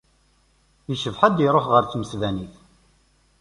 Icebbeḥ-d, iruḥ ɣer tmesbanit.